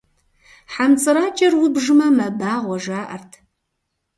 Хьэмцӏыракӏэр убжмэ, мэбагъуэ, жаӏэрт.